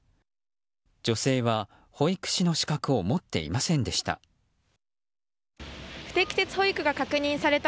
女性は保育士の資格を持っていませんでした。